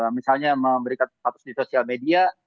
misalnya memberikan status di sosial media